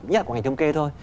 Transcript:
nhất là của ngành thống kê thôi